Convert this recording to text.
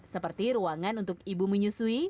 seperti ruangan untuk ibu menyusui